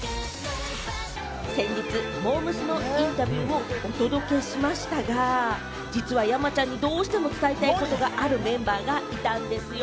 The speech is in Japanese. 先日、モー娘。のインタビューをお届けしましたが、実は山ちゃんにどうしても伝えたいことがあるメンバーがいたんでぃすよ。